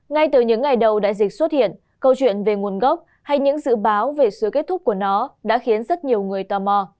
ngay từ những ngày đầu đại dịch xuất hiện câu chuyện về nguồn gốc hay những dự báo về sự kết thúc của nó đã khiến rất nhiều người tò mò